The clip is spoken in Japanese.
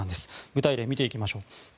具体例を見ていきましょう。